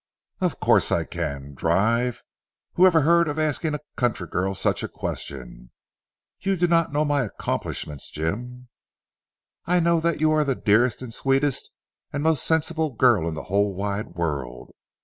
"Of course I can. Drive? Who ever heard of asking a country girl such a question. You do not know my accomplishments Jim." "I know that you are the dearest and sweetest and most sensible girl in the whole wide world.